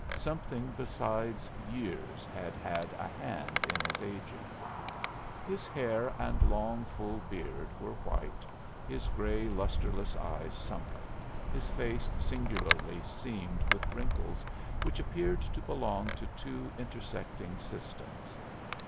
Something besides years had had a hand in his aging. His hair and long, full beard were white, his gray, lustreless eyes sunken, his face singularly seamed with wrinkles which appeared to belong to two intersecting systems.